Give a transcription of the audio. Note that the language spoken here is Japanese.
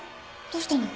どうしたの？